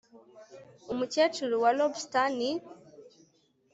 Umukecuru wa lobster ni